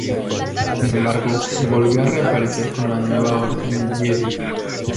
Sin embargo, volvió a reaparecer con la Nueva Orden Jedi.